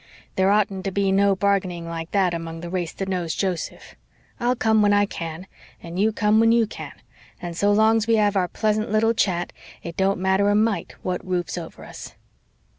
There oughtn't to be no bargaining like that among the race that knows Joseph. I'll come when I can, and you come when you can, and so long's we have our pleasant little chat it don't matter a mite what roof's over us."